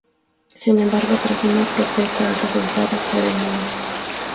Sin embargo, tras una protesta el resultado fue de nulo.